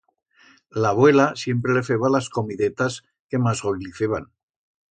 L'avuela siempre le feba las comidetas que mas goi le feban.